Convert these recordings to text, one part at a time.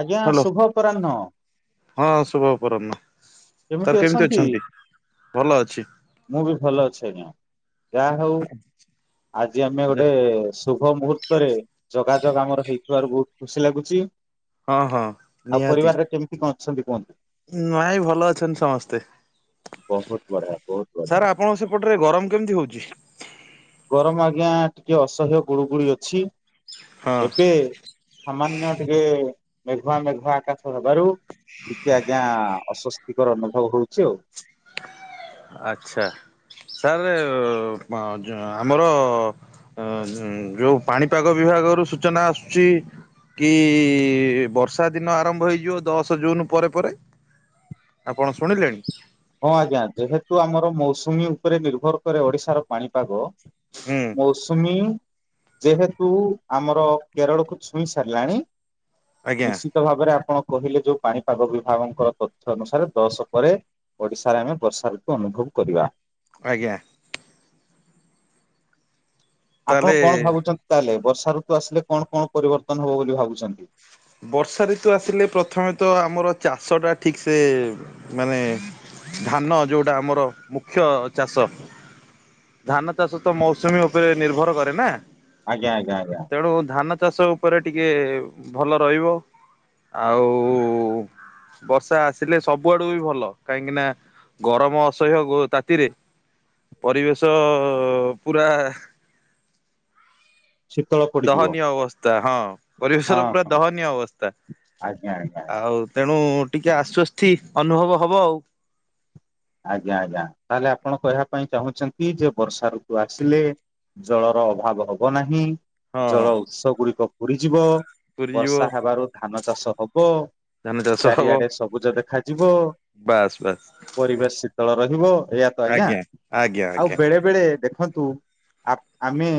ଆଜ୍ଞା ହ୍ୟାଲୋ ଶୁଭ ଅପରାହ୍ନ ହଁ ଶୁଭ କର ନ। ସାରେ କେମିତି ଅଛନ୍ତି? ଭଲ ଅଛି। ମୁଁ ବି ଭଲ ଅଛି ଆଜ୍ଞା ଯାହା ହଉ ଆଜି ଆମେ ଗୋଟେ ଶୁଭ ମୁହୂର୍ତ୍ତରେ ଯୋଗାଯୋଗ ଆମର ହେଇଥିବାରୁ ବହୁତ ଖୁସି ଲାଗୁଛି। ହଁ ହଁ ଆଉ ନିହାତି ପରିବାରରେ କେମିତି କଣ ଅଛନ୍ତି କୁହନ୍ତୁ? ନାଇଁ ଭଲ ଅଛନ୍ତି ସମସ୍ତେ। ବହୁତ ବଢ଼ିଆ ବହୁତ ବଢ଼ିଆ। ଏପଟରେ ଗରମ କେମିତି ହଉଛି? ଗରମ ଆଜ୍ଞା ଟିକେ ଅସହ୍ୟ ଗୁଳୁଗୁଳି ଅଛି। ହଁ ଏବେ ସାମାନ୍ୟ ଟିକେ ମେଘୁଆ ମେଘୁଆ ଆକାଶ ହବାରୁ ଟିକେ ଆଜ୍ଞା ଅସ୍ଵସ୍ତିକର ଅନୁଭବ ହଉଛି ଆଉ। ଆଛା ତା ହେଲେ ଆମର ହୁଁ ଯୋଉ ପାଣିପାଗ ବିଭାଗ ରୁ ସୂଚନା ଆସୁଛି। କି ବର୍ଷା ଦିନ ଆରମ୍ଭ ହୋଇଯିବ ଦଶ ଜୁନ ପରେ ପରେ। ଆପଣ ଶୁଣିଲେଣି। ହଁ ଆଜ୍ଞା ଯେହେତୁ ଆମର ମୌସୁମୀ ଉପରେ ନିର୍ଭର କରେ ଓଡିଶାର ପାଣିପାଗ। ହୁଁ। ମୌସୁମୀ ଯେହେତୁ ଆମର କେରଳକୁୁ ଛୁଇଁ ସାରିଲାଣି। ଆଜ୍ଞା ମିସି ମତ ଭାବରେ ଆପଣ କହିଲେ ଯୋଉ ପାଣିପାଗ ବିଭାଗଙ୍କ ତଥ୍ୟ ଅନୁସାରେ ଦଶ ପରେ ଓଡିଶାରେ ଆମେ ବର୍ଷା ଋତୁ ଅନୁଭବ କରିବା। ଆଜ୍ଞା। ଆପଣ କଣ ତାହେଲେ ଭାବୁଛନ୍ତି ତାହେଲେ ବର୍ଷା ଋତୁ ଆସିଲେ କଣ କଣ ପରିବର୍ତ୍ତନ ହବ ବୋଲି ଭାବୁଛନ୍ତି? ବର୍ଷା ଋତୁ ଆସିଲେ ପ୍ରଥମେ ତ ଆମର ଚାଷ ଟା ଠିକ ସେ ମାନେ ଧାନ ଯେଉଁଟା ଆମର ମୁଖ୍ୟ ଚାଷ। ଧାନଚାଷ ତ ମୌସୁମୀ ଉପରେ ନିର୍ଭର କରେ ନା। ଆଜ୍ଞା ଆଜ୍ଞା ଆଜ୍ଞା। ତେଣୁ ଧାନ ଚାଷ ଉପରେ ଟିକେ ଭଲ ରହିବ। ଆଉ। ବର୍ଷା ଆସିଲେ ସବୁ ଆଡୁ ବି ଭଲ କାହିଁକି ନା ଗରମ ଅସହ୍ୟ ତାତିରେ। ପରିବେଶ ପୁରା ଶୀତଳ ପଡିଯିବ ଦହନୀୟ ଅବସ୍ଥା ହଁ ହଁ ପରିବେଶର ପୁରା ହଁ ଦହନୀୟ ଅବସ୍ଥା। ଆଜ୍ଞା ଆଜ୍ଞା। ଆଉ ତେଣୁ ଟିକେ ଆଶ୍ଵସ୍ତି ଅନୁଭବ ହବ ଆଉ। ଆଜ୍ଞା ଆଜ୍ଞା ତାହେଲେ ଆପଣ କହିବା ପାଇଁ ଚାହୁଁଛନ୍ତି ଯେ ବର୍ଷା ଋତୁ ଆସିଲେ ଜଳର ଅଭାବ ହବ ନାହିଁ ହଁ। ଜଳ ଉତ୍ସ ଗୁଡିକ ପୁଡିଯିବ। ପୁରୀ ଯିବ ବର୍ଷା ହେବାରୁ ଧାନଚାଷ ହବ ଧାନ ଚାଷ ହବ ଚାରିଆଡେ ସବୁଜ ଦେଖାଯିବ। ବାସ୍ ବାସ୍। ପରିବେଶ ଶୀତଳ ରହିବ ଏଆ ତ ଆଜ୍ଞା ଆଜ୍ଞା ଆଉ ଆଜ୍ଞା ବେଳେ ବେଳେ ଦେ ଦେଖନ୍ତୁ ଆପ୍ ଆମେ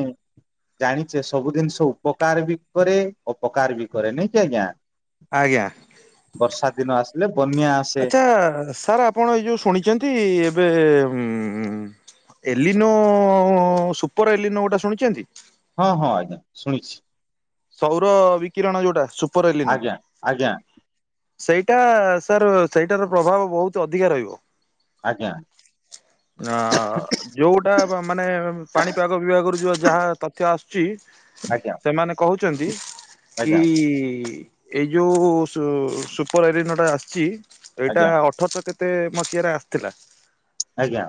ଜାଣିଛେ ସବୁ ଜିନିଷ ଉପକାର ବି କରେ ଅପକାର ବି କରେ ନାଇଁ କି ଆଜ୍ଞା। ଆଜ୍ଞା। ବର୍ଷା ଦିନ ଆସିଲେ ବନ୍ୟା ଆସେ ଆଛା ସାର୍ ଆପଣ ଏଇ ଯୋଉ ଶୁଣିଛନ୍ତି ଏବେ ଏଲିନୋ ସୁପର ଏଲିନୋ ଗୋଟେ ଶୁଣିଛନ୍ତି। ହଁ ହଁ ଆଜ୍ଞା ଶୁଣିଛି। ସୌର ବିକିରଣ ଯୋଉଟା ସୁପର ଏଲିନୋ। ଆଜ୍ଞା ଆଜ୍ଞା। ସେଇଟା ସାର୍ ସେଇଟାର ପ୍ରଭାବ ବହୁତ ଅଧିକା ରହିବ। ଆଜ୍ଞା ହା। ଯୋଉଟା ମା ମାନେ ପାଣିପାଗ ବିଭାଗରୁ ଯୋ ଯାହା ତଥ୍ୟ ଆସୁଛି। ଆଜ୍ଞା ସେମାନେ କହୁଛନ୍ତି କି ଆଜ୍ଞା ଏଇ ଯୋଉ ସୁ ସୁପର ଏଲିନୋଟା ଆସିଛି ଏଇଟା ଆଜ୍ଞା ଅଠରଶ କେତେ ମସିହାରେ ଆସିଥିଲା? ଆଜ୍ଞା।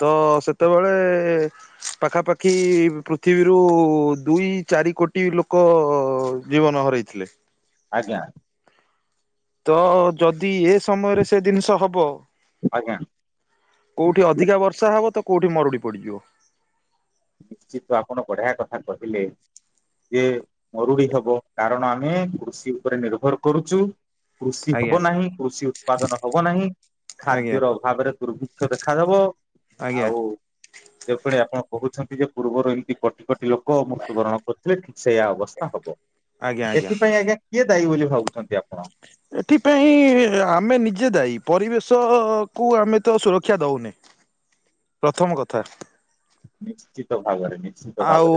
ତ ସେତେବେଳେ ପାଖାପାଖି ପୃଥିବୀରୁ ଦୁଇ ଚାରି କୋଟି ଲୋକ ଜୀବନ ହରେଇଥିଲେ। ଆଜ୍ଞା। ତ ଯଦି ଏ ସମୟରେ ସେ ଜିନିଷ ହବ ଆଜ୍ଞା। କେଉଁଠି ଅଧିକା ବର୍ଷା ହେବ ତ କେଉଁଠି ମରୁଡ଼ି ପଡ଼ିଯିବ। ନିଶ୍ଚିତ ଆପଣ ବଢିଆ କଥା କହିଲେ। ଯେ ମରୁଡି ହବ କାରଣ ଆମେ କୃଷି ଉପରେ ନିର୍ଭର କରୁଚୁ କୃଷି ଆଜ୍ଞା। ହବ ନାହିଁ କୃଷି ଉତ୍ପାଦନ ହବ ନାହିଁ ଆଜ୍ଞା ଖାଦ୍ୟର ଅଭାବରେ ଦୁର୍ଭି ଦେଖାଦବ ଆଜ୍ଞା ଆଉ ଯେଉଁପରି ଆପଣ କହୁଛନ୍ତି ଯେ ପୂର୍ବରୁ ଏମିତି କୋଟି କୋଟି ଲୋକ ମୃତ୍ୟୁବରଣ କରୁଥିଲେ ଠିକ୍ ସେୟା ଅବସ୍ଥା ହବ। ଏଥିପାଇଁ ଆଜ୍ଞା କିଏ ଦାୟୀ ବୋଲି ଭାବୁଛନ୍ତି ଆପଣ? ଏଥିପାଇଁ ଆମେ ନିଜେ ଦାଇ ପରିବେଶ କୁ ଆମେ ତ ସୁରକ୍ଷା ଦଉ ପ୍ରଥମ କଥା ନିଶ୍ଚିତ ଭାବରେ ନି ଆଉ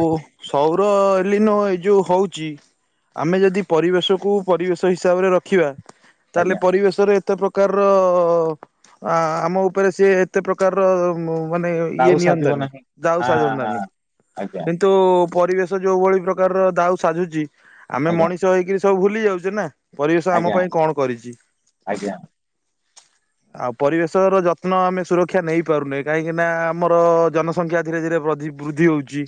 ସୌର ଏଲିନୋ ଏଇ ଯୋଉ ହଉଚି ଆମେ ଯଦି ପରିବେଶକୁ ପରିବେଶ ହିସାବରେ ରଖିବା ତାହେଲେ ଆଜ୍ଞା ପରିବେଶରେ ଏତେ ପ୍ର ପ୍ରକାରର ଆ ଆମ ଉପରେ ସିଏ ଏତେ ପ୍ରକାରର ଉଁମ ମାନେ ତାଉ ଇଏ ସାଧିବ ନିଅନ୍ତତାନି ନାହିଁ। ହଁ ଦାଉ ହଁ ସାଜତାନି ଆଜ୍ଞା। ତୋ ପରିବେଶ ଯୋଉ ଭଳି ପ୍ରକାର ଦାଉ ସାଜୁଚି ଆମେ ଆଜ୍ଞା ମଣିଷ ହେଇକିରି ତ ଭୁଲି ଯାଉଚି ନାଁ ପରିବେଶ ଆମ ଆଜ୍ଞା ପାଇଁ କଣ କରିଚି? ଆଜ୍ଞା। ଆ ପରିବେଶର ଯତ୍ନ ଆମେ ସୁରକ୍ଷା ନେଇ ପାରୁନେ କାହିଁକି ନା ଆମର ଜନ ସଂଖ୍ୟା ଧୀରେ ଧୀରେ ବଦ୍ଧି ବୃଦ୍ଧି ହଉଚି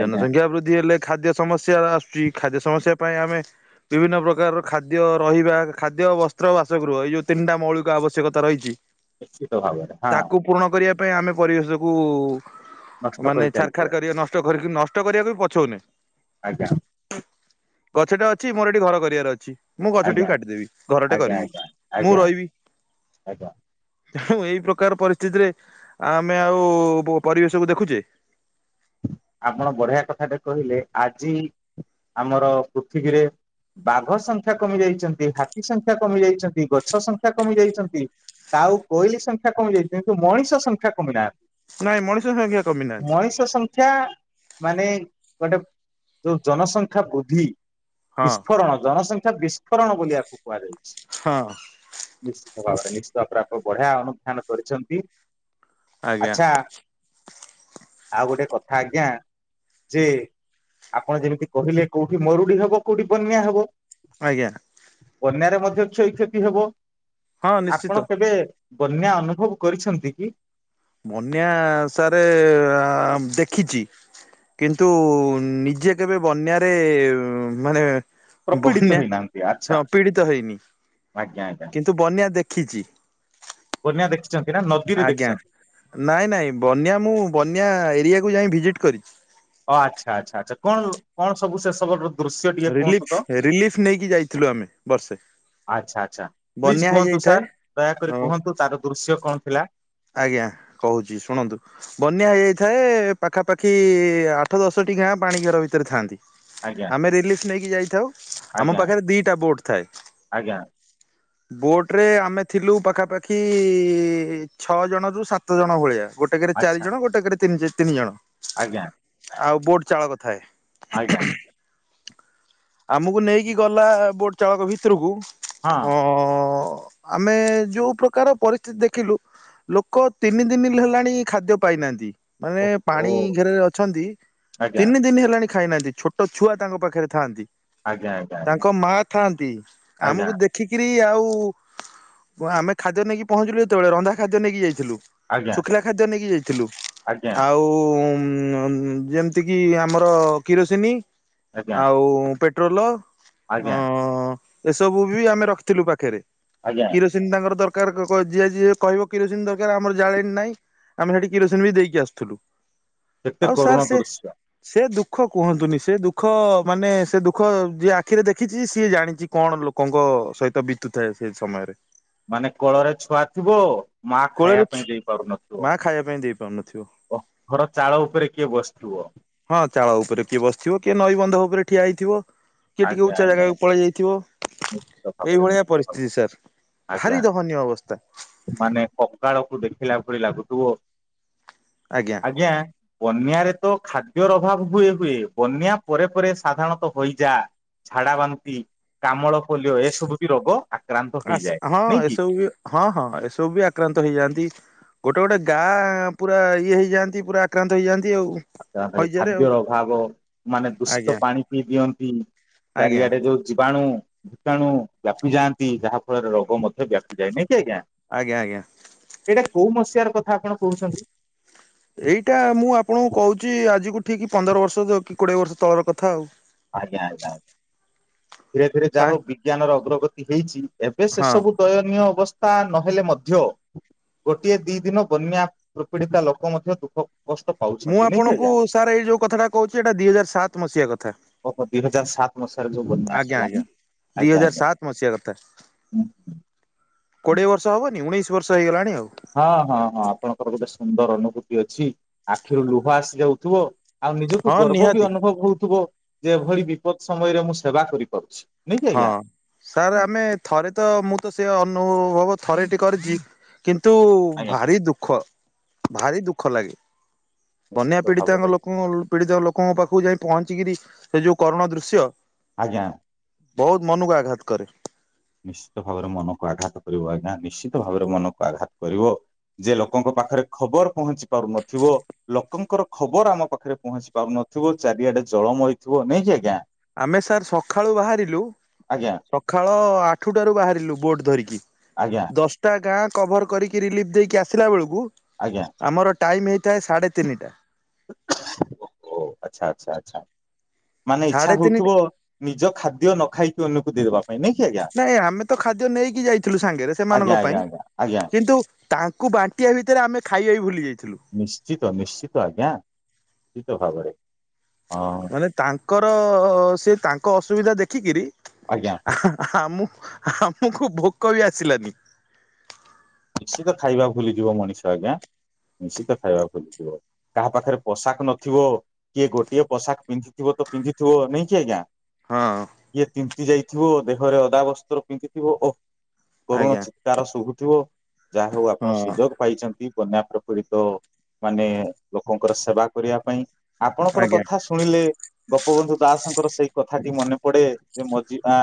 ଆଜ୍ଞା ଜନସଂଖ୍ୟା ବୃଦ୍ଧି ହେଲେ ଖାଦ୍ୟ ସମସ୍ୟା ଆସୁଚି ଖାଦ୍ୟ ସମସ୍ୟା ପାଇଁ ଆମେ ବିଭିନ୍ନ ପ୍ରକାର ଖାଦ୍ୟ ରହିବା ଖାଦ୍ୟ ବସ୍ତ୍ର ବାସଗୃହ ଏଇ ଯୋଉ ତିନିଟା ମୌଳିକ ଆବଶ୍ୟକ ଆବଶ୍ୟକତା ରହିଚି। ନିଶ୍ଚିତ ଭାବରେ ହାଁ। ପୂରଣ କରିବା ପାଇଁ ଆମେ ପରିବେଶକୁ ନଷ୍ଟ କରି ମାନେ ଛାରଖାର ଚାଲିଥିବା କରିବା ନଷ୍ଟ କରିକି ନଷ୍ଟ ନ ନଷ୍ଟ କରିବାକୁ ପଛଉନେ। ଆଜ୍ଞା। ଗଛ ଟେ ଅଛି ମୋର ଏଠି ଘର କରିବାର ଅଛି। ମୁଁ ଗଛ ଆଜ୍ଞା ଟିକୁ କାଟିଦେବି ଘରଟେ ଆଜ୍ଞା କରିବି ଆଜ୍ଞା ମୁଁ ଆଜ୍ଞା ରହିବି। ଆଜ୍ଞା। ଆଉ ଏଇ ପ୍ରକାର ପରିସ୍ଥିତିରେ ଆମେ ଆଉ ପ ପରିବେଶକୁୁ ଦେଖୁଚେ। ଆପଣ ବଢିଆ କଥାଟେ କହିଲେ ଆଜି ଆମର ପୃଥିବୀରେ ବାଘ ସଂଖ୍ୟା କମି ଯାଇଚନ୍ତି ହାତୀ ସଂଖ୍ୟା କମି ଯାଇଚନ୍ତି ଗଛ ସଂଖ୍ୟା କମି ଯାଇଚନ୍ତି। କାଉ କୋଇଲି ସଂଖ୍ୟା କମି ଯାଇଚି କିନ୍ତୁ ମଣିଷ ସଂଖ୍ୟା କମି ନାହାନ୍ତି। ନାଇଁ ମଣିଷ ସଂଖ୍ୟା କମି ନାହାନ୍ତି। ସଂଖ୍ୟା ମାନେ ଗୋଟେ ଯୋଉ ଜନସଂଖ୍ୟା ବୃଦ୍ଧି ହଁ ବିସ୍ଫୋରଣ ଜନସଂଖ୍ୟା ବିସ୍ଫୋରଣ ବୋଲି ଆକୁ କୁହାଯାଇଚି। ହଁ। ନିଶ୍ଚିତ ଭାବରେ ନିଶ୍ଚିତ ଭାବରେ ବଢିଆ ଅନୁଧ୍ୟାନ କରିଛନ୍ତି ଆଜ୍ଞା ଆଚ୍ଛା। ଆଉ ଗୋଟେ କଥା ଆଜ୍ଞା। ଯେ ଆପଣ ଯେମିତି କହିଲେ କୋଉଠି ମରୁଡି ହବ କୋଉଠି ବନ୍ୟା ହବ ଆଜ୍ଞା। ବନ୍ୟାରେ ମଧ୍ୟ କ୍ଷୟ କ୍ଷତି ହେବ ହଁ ନିଶ୍ଚିତ। ଆପଣ କେବେ ବନ୍ୟା ଅନୁଭବ କରିଛନ୍ତି କି? ବନ୍ୟା ସାରେ ଦେଖିଛି। କିନ୍ତୁ ନିଜେ କେବେ ବନ୍ୟାରେ ମାନେ ପ୍ରପୀଡିତ ବନ୍ୟା ହେଇନାହାନ୍ତି ଆଚ୍ଛା ହଁ ପୀଡ଼ିତ ହେଇନି ଆଜ୍ଞା ଆଜ୍ଞା କିନ୍ତୁ ବନ୍ୟା ଦେଖିଛି। ବନ୍ୟା ଦେଖିଛନ୍ତି ନା ନଦୀରେ ଆଜ୍ଞା। ଦେଖିଛନ୍ତି। ନାଇଁ ନାଇଁ ବନ୍ୟା ମୁଁ ବନ୍ୟା ଏରିଆକୁ ଯାଇ ଭିଜିଟ୍ କରିଛି। ଅ- ଆଚ୍ଛା -ଆଚ୍ଛା- ଆଚ୍ଛା -କଣ, କଣ ସବୁ ସେ ସବ ରିଲିଫ୍, ରିଲିଫ୍ ନେଇକି ଯାଇଥିଲୁ ଆମେ ବର୍ଷେ। ଆଚ୍ଛା, ଆଚ୍ଛା ପ୍ଲିଜ୍ ବନ୍ୟା କୁହନ୍ତୁ ହେଇଯାଇଥାଏ ସାର୍ ଅ ଦୟାକରି କୁହନ୍ତୁ ତାର ଦୃଶ୍ୟ କଣ ଥିଲା। ଆଜ୍ଞା କହୁଛି ଶୁଣନ୍ତୁ। ବନ୍ୟା ହେଇଯାଇଥାଏ ପାଖାପାଖି ଆଠ ଦଶଟି ଗାଁ ପାଣି ଘେର ଭିତରେ ଥାଆନ୍ତି। ଆଜ୍ଞା ଆମେ ରିଲିଫ୍ ନେଇକି ଯାଇଥାଉ ଆମ ଆଜ୍ଞା ପାଖରେ ଦିଟା ବୋଟ ଥାଏ। ଆଜ୍ଞା ବୋଟ୍ ରେ ଆମେ ଥିଲୁ ପାଖାପାଖି ଛଅ ଜଣ ରୁ ସାତ ଜଣ ଭଳିଆ ଗୋଟେକେରେ ଚାରି ଆଚ୍ଛା ଜଣ ଗୋଟେକେରେ ତିନି, ତିନି ଜଣ। ଆଜ୍ଞା। ଆଉ ବୋଟ୍ ଚାଳକ ଥାଏ। ଆଜ୍ଞା। ଆମକୁ ନେଇକି ଗଲା ବୋଟ୍ ଚାଳକ ଭିତୁରୁକୁ ହଁ ଅଁ-ଅଁ-ଅଁ ଆମେ ଯୋଉ ପ୍ରକାର ପରିସ୍ଥିତି ଦେଖିଲୁ ଲୋକ ତିନି ଦିନିଲି ହେଲାଣି ଖାଦ୍ୟ ପାଇନାହାନ୍ତି। ମାନେ ଓହୋ ପାଣି ଘେରେରେ ଅଛନ୍ତି ଆଜ୍ଞା ତିନି ଦିନ ହେଲାଣି ଖାଇନାହାନ୍ତି ଛୋଟ ଛୁଆ ତାଙ୍କ ପାଖରେ ଥାଆନ୍ତି। ଆଜ୍ଞା ଆ ତାଙ୍କ ମା ଥାଆନ୍ତି ଆମକୁ ଦେଖି ଦେଖିକିରି ଆଉ ଆମେ ଖାଦ୍ୟ ନେଇକି ପହଞ୍ଚିଲୁ ଯେତେବେଳେ ରନ୍ଧା ଖାଦ୍ୟ ନେଇକି ଯାଇଥିଲୁ। ଆଜ୍ଞା ଶୁଖିଲା ଖାଦ୍ୟ ନେଇକି ଯାଇଥିଲୁ ଆଜ୍ଞା ଆଜ୍ଞା ଆଉ ଉଁ -ଆମ୍ ଯେମିତିକି ଆମର କିରୋସିନି ଆଜ୍ଞା ଆଉ ପେଟ୍ରୋଲ ଅ ଆଜ୍ଞା। ଏସବୁ ବି ଆମେ ରଖିଥିଲୁ ପାଖରେ। ଆଜ୍ଞା। ଯେମ୍ ତାଙ୍କର ଦରକାର ଯିଏ ଯିଏ କହିବ କିରୋସିନ ଦରକାର ଆମର ଜାଳେଣି ନାହିଁ। ଆମେ ସେଠି କିରୋସିନ ବି ଦେଇକି ଆସୁଥିଲୁ। କେତେ ଆଉ ସାର୍ କରୁଣ ସେ ଦୃଶ୍ୟ ସେ ଦୁଃଖ କୁହନ୍ତୁନି ସେ ଦୁଃଖ ମାନେ ସେ ଦୁଃ କଣ ଯିଏ ଆଖିରେ ଦେଖିଚି ସିଏ ଜାଣିଚି କଣ ଲୋକଙ୍କ ସହିତ ବିତୁଥାଏ ସେ ସମୟରେ। ମାନେ କୋଳରେ ଛୁଆ ଥିବ ମା କୋଳରେ ଖାଇବା ପାଇଁ ଦେଇ ପାରୁନଥିବ। ମା ଖାଇଆ ପାଇଁ ଦେଇପାରୁନଥିବ। ପକଡ ଚାଳ ଉପରେ କିଏ ବସିଥିବ। ହଁ ଚାଳ ଉପରେ କିଏ ବସିଥିବ କିଏ ନଈବନ୍ଧ ଉପରେ ଠିଆ ହେଇଥିବ। କିଏ ଟିକେ ଆଜ୍ଞା ଉଚ୍ଚା ଆଜ୍ଞା ଜାଗାକୁ ପଳେଇ ଯାଇଥିବ। ନିଶ୍ଚିତ ଭାବରେ ଏଇଭଳିଆ ନିଶ୍ଚିତ ଭାବରେ। ପରିସ୍ଥିତି ସାର୍ ଆଜ୍ଞା ଭାରି ଦଗନୀୟ ଅବସ୍ତା। ମାନେ କକାଳକୁ ଦେଖିଲା ଭଳି ଲାଗୁଥିବ। ଆଜ୍ଞା। ଆଜ୍ଞା। ବନ୍ୟାରେ ତ ଖାଦ୍ୟର ଅଭାବ ହୁଏ ହୁଏ ବନ୍ୟା ପରେ ପରେ ସାଧାରଣତଃ ହଇଯା ଝାଡ଼ା ବାନ୍ତି, କାମଳ ପୋଲିଓ, ଏସବୁ ବି ରୋଗ ଆକ୍ରାନ୍ତ ହେଇଯାଏ ଆସେ ହଁ ନାଇଁ କି? ଏସବୁ ବି ହଁ ହଁ ଏସବୁ ବି ଆକ୍ରାନ୍ତ ହେଇଯାଆନ୍ତି। ଗୋଟେ ଗୋଟେ ଗାଁ ପୁରା ଇଏ ହେଇଯାଆନ୍ତି ପୁରା ଆକ୍ରାନ୍ତ ହେଇଯାଆନ୍ତି ଆଉ। [unintelligible] ହଇଜାରେ ଖାଦ୍ୟ ଆଉ ଅଭାବ ମାନେ ଦୂଷିତ ଆଜ୍ଞା ପାଣି ପିଇ ଦିଅନ୍ତି। ଆଜ୍ଞା ଚାରିଆଡ଼େ ଯୋଉ ଜିବାଣୁ ଭୣତାଣୁ ବ୍ୟାପି ଯାଆନ୍ତି ଯାହା ଫଳରେ ରୋଗ ମଧ୍ୟ ବ୍ୟାପିଯାଏ ନାଇଁକି ଆଜ୍ଞା? ଆଜ୍ଞା ଆଜ୍ଞା। ଏଇଟା କୋଉ ମସିଆର କଥା ଆପଣ କହୁଚନ୍ତି? ଏଇଟା ମୁଁ ଆପଣଙ୍କୁ କହୁଚି ଆଜିକୁ ଠିକ୍ ପନ୍ଦର ବର୍ଷ କି କୋଡିଏ ବର୍ଷ ତଳର କଥା ଆଉ। ଆଜ୍ଞା ଆଜ୍ଞା, ଧୀରେ ଧୀରେ ଯାହା କାହିଁ ହଉ ବିଜ୍ଞାନର ଅଗ୍ରଗତି ହେଇଚି। ଏବେ ସେ ହଁ ସବୁ ଦୟନୀୟ ଅବସ୍ଥା ନହେଲେ ମଧ୍ୟ ଗୋଟିଏ ଦି ଦିନ ବନ୍ୟା ପ୍ର ପୀଡ଼ିତା ଲୋକ ମଧ୍ୟ ଦୁଃଖ କଷ୍ଟ ମୁଁ ପାଉଛନ୍ତି ନାଇଁ କି ଆପଣଙ୍କୁ ଆଜ୍ଞା? ସାର୍ ଏଇ ଯୋଉ କଥାଟା କହୁଚି ଏଇଟା ଦି ହଜାରେ ସାତ୍ ମସିହା କଥା। ଓ ହ ଦି ହଜାର ସାତ୍ ମସିହାରେ ଯୋଉ ବନ୍ୟା ଆସିିଥିଲା ନା ଆଜ୍ଞା ଆଜ୍ଞା। କୋଡିଏ ବର୍ଷ ହବନି ଉଣେଇଶି ବର୍ଷ ହେଇଗଲାଣି ଆଉ। ହଁ ହଁ ହଁ ଆପଣଙ୍କର ଗୋଟେ ସୁନ୍ଦର ଅନୁଭୂତି ଅଛି ଆଖିରୁ ଲୁହ ଆସି ଯାଉଥିବ। ଆଉ ନିଜକୁ ହଁ ଗର୍ବ ବି ନିହାତି। ଅନୁଭବ ହଉଥିବ ଯେ ଏଭଳି ବିପଦ ସମୟରେ ମୁଁ ସେବା କରିପାରୁଛି। ନାଇଁ କି ହଁ ଆଜ୍ଞା? ସାର୍ ଆମେ ଥରେ ତ ମୁଁ ତ ସେ ଅନୁଭବ ଥରେ ଟି କରିଚି। କିନ୍ତୁ ଆଜ୍ଞା ଭାରି ଦୁଃଖ ଭାରି ଦୁଃଖ ଲାଗେ। ବନ୍ୟା ନିଶ୍ଚିତ ଭାବରେ ପୀଡିତାଙ୍କ ଲୋକ ପୀଡିତା ଲୋକଙ୍କ ପାଖକୁ ଯାଇ ପହଞ୍ଚିକିରି ସେ ଯୋଉ କରୁଣ ଦୃଶ୍ୟ ଆଜ୍ଞା। ବହୁତ୍ ମନକୁ ଆଘାତ କରେ। ନିଶ୍ଚିତ ଭାବରେ ମନକୁ ଆଘାତ କରିବ ଆଜ୍ଞା ନିଶ୍ଚିତ ଭାବରେ ମନକୁ ଆଘାତ କରିବ। ଯେ ଲୋକଙ୍କ ପାଖରେ ଖବର ପହଞ୍ଚି ପାରୁନଥିବ। ଲୋକଙ୍କର ଖବର ଆମ ପାଖରେ ପହଞ୍ଚି ପାରୁନଥିବ ଚାରିଆଡେ ଜଳମୟ ଥିବ ନାଇଁକି ଆଜ୍ଞା? ଆମେ ସାର୍ ସଖାଳୁ ବାହାରିଲୁ ଆଜ୍ଞା। ସଖାଳ ଆଠୁଟାରୁ ବାହାରିଲୁ ବୋଟ୍ ଧରିକି। ଆଜ୍ଞା। ଦଶଟା ଗାଁ କଭର୍ କରିକି ରିଲିଫ୍ ଦେଇକି ଆସିଲା ବେଳକୁ ଆଜ୍ଞା। ଆମର ଟାଇମ୍ ହେଇଥାଏ ସାଢ଼େ ତିନିଟା। ଓ ହୋ ଆଛା ଆଚ୍ଛା ଆଛା ମାନେ ସାଢେ ଇଚ୍ଛା ତିନିଟା ହଉଥିବ ନିଜ ଖାଦ୍ୟ ନ ଖାଇକି ଅନ୍ୟକୁ ଦେବାକୁ। ନାଇଁ ଆମେ ତ ଖାଦ୍ୟ ନେଇକି ଯାଇଥିଲୁ ସାଙ୍ଗରେ ଆଜ୍ଞା ସେମାନଙ୍କ ଆଜ୍ଞା ପାଇଁ। ଆଜ୍ଞା ଆଜ୍ଞା କିନ୍ତୁ ତାଙ୍କୁ ବାଣ୍ଟିଆ ଭିତରେ ଆମେ ଖାଇଆ ବି ଭୁଲି ଯାଇଥିଲୁ। ନିଶ୍ଚିତ ନିଶ୍ଚିତ ଆଜ୍ଞା ନିଶ୍ଚିତ ଭାବରେ ହଁ। ମାନେ ତାଙ୍କର ସେ ତାଙ୍କ ଅସୁବିଧା ଦେଖିକିରି ଆଜ୍ଞା। [unintelligible] ଆମୁ ଆମୁକୁ ଭୋକ ବି ଆସିଲାନି। ନିଶ୍ଚିତ ଖାଇବା ଭୁଲିଯିବ ମଣିଷ ଆଜ୍ଞା ନିଶ୍ଚିତ ଖାଇବା ଭୁଲିଯିବ। କାହା ପାଖେରେ ପୋଷାକ ନଥିବ କିଏ ଗୋଟିଏ ପୋଷାକ୍ ପିନ୍ଧିଥିବ ତ ପିନ୍ଧିଥିବ ନାଇଁକି ଆଜ୍ଞା ହଁ। କିଏ ତିନ୍ତି ଯାଇଥିବ ଦେହରେ ଅଦା ବସ୍ତ୍ର ପିନ୍ଧିଥିବ ଓ କରୁଣ ଆଜ୍ଞା ଚିତ୍କାର ଶୁଭୁଥିବ ଯାହା ହଉ ଆପଣ ହଁ ସୁଯୋଗ ପାଇଚନ୍ତି। ବନ୍ୟା ପ୍ରପୀଡିତ ମାନେ ଲୋକଙ୍କର ସେବା କରିଆ ପାଇଁ ଆପଣଙ୍କର ଆଜ୍ଞା କଥା ଶୁଣିଲେ ଗୋପବନ୍ଧୁ ଦାସ୍ ଙ୍କର ସେଇ କଥାଟି ମନେ ପଡେ ଯେ ମଜିବା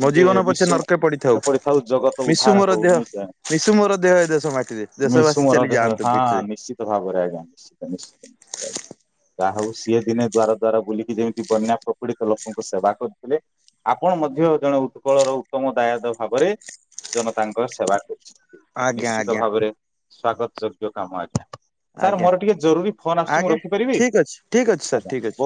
ମୋ ଯେ ଜୀବନ ପଛେ ମିଶୁ ନର୍କେ [inaudible] ପଡିଥାଉ ଜଗତ ମିଶୁ ଉଦ୍ଧାର ମୋର ହଉ ଦେହ ନାଇଁ କା ମିଶୁ ମୋର ଦେହ ଏ ଦେଶ ମାଟିରେ ମିଶୁ ଦେଶବାସୀ ମୋର ଚାଲି ଦେହ ଯାଆନ୍ତୁ ହଁ ପିଠିରେ ନିଶ୍ଚିତ ଭାବରେ ଆଜ୍ଞା। ଯାହା ହଉ ସିଏ ଦିନେ ଦ୍ୱାର ଦ୍ୱାର ବୁଲିକି ଯେମିତି ବନ୍ୟା ପ୍ରପିଡିତ ଲୋକଙ୍କ ସେବା କରୁଥିଲେ ଆପଣ ମଧ୍ୟ ଜଣେ ଉତ୍କଳର ଉତ୍ତମ ଦାୟଦ ଭାବରେ ଜନତାଙ୍କ ସେବା କରୁଛି। ଆଜ୍ଞା ନିଶ୍ଚିତ ଆଜ୍ଞା ଭାବରେ ସ୍ଵାଗତ୍ ଯୋଗ୍ୟ କାମ ଆଜ୍ଞା। ସାର୍ ଆଜ୍ଞା ମୋର ଟିକେ ଜରୁରୀ ଫୋନ୍ ଆସୁଛି ମୁଁ ଆଜ୍ଞା ରଖିପାରିବି? ଠିକ୍ ଅଛି ଠିକ୍ ଅଛି ସାର୍ ଠିକ୍ ଅଛି।